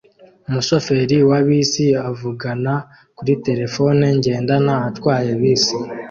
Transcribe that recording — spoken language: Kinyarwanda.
Umushoferi wa bisi avugana kuri terefone ngendanwa atwaye bisi